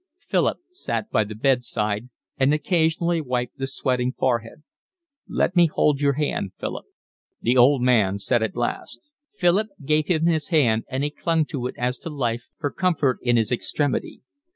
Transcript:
Philip sat by the bed side, and occasionally wiped the sweating forehead. "Let me hold your hand, Philip," the old man said at last. Philip gave him his hand and he clung to it as to life, for comfort in his extremity.